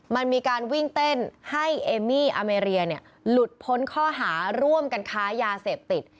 มันมีการวิ่งเต้นให้เอมี่อเมรียหลุดพ้นข้อหาร่วมกันค้ายาเสพติด